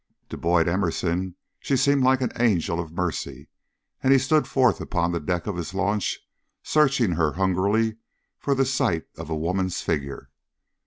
To Boyd Emerson she seemed like an angel of mercy, and he stood forth upon the deck of his launch searching her hungrily for the sight of a woman's figure.